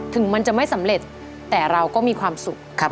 ถึงมันจะไม่สำเร็จแต่เราก็มีความสุข